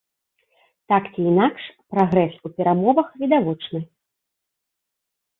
Так ці інакш, прагрэс у перамовах відавочны.